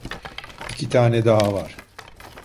İki tane daha var.